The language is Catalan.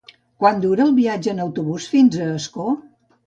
Quant dura el viatge en autobús fins a Ascó?